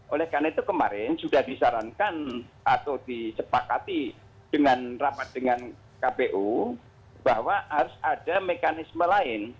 oleh karena itu kemarin sudah disarankan atau disepakati dengan rapat dengan kpu bahwa harus ada mekanisme lain